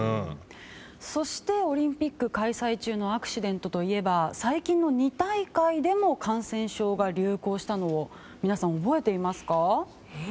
そして、オリンピック開催中のアクシデントといえば最近の２大会でも感染症が流行したのを皆さん覚えていますか？